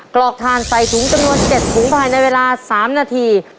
กรอกทานใส่ถุงจำนวน๗ถุงภายในเวลา๓นาที